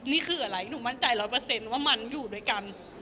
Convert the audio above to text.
นี่คืออะไรหนูมันใจ๑๐๐ว่ามันอยู่ด้วยกัน